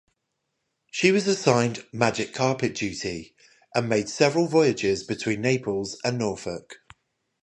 She was assigned "Magic Carpet" duty, and made several voyages between Naples and Norfolk.